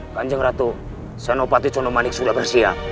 kanjeng ratu senopati sonomanik sudah bersiap